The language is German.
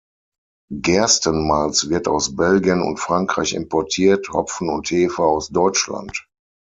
Gerstenmalz wird aus Belgien und Frankreich importiert, Hopfen und Hefe aus Deutschland.